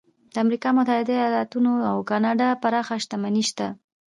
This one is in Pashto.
د امریکا متحده ایالتونو او کاناډا پراخه شتمني شته.